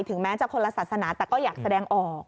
แม้จะคนละศาสนาแต่ก็อยากแสดงออก